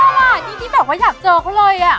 ชอบอะหรือดิแบบว่าอยากเจอเขาเลยอะ